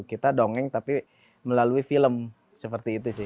kita dongeng tapi melalui film seperti itu sih